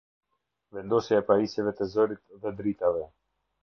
Vendosja e pajisjeve të zërit dhe dritave.